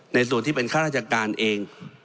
ในส่วนที่เป็นฆาตจักรการเอง